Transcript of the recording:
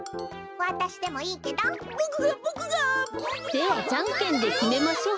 ではじゃんけんできめましょう。